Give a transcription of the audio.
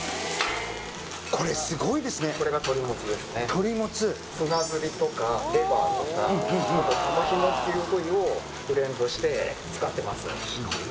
これすごいですね鳥もつ砂ずりとかレバーとかあと玉ひもっていう部位をブレンドして使ってます